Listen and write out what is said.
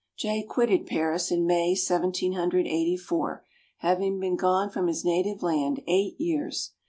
Jay quitted Paris in May, Seventeen Hundred Eighty four, having been gone from his native land eight years.